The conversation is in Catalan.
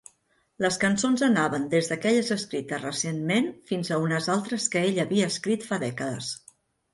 Les cançons anaven des d'aquelles escrites recentment, fins a unes altres que ell havia escrit fa dècades.